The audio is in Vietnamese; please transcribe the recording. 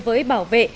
với bảo vệ